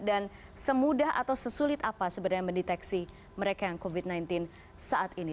dan semudah atau sesulit apa sebenarnya mendeteksi mereka yang covid sembilan belas saat ini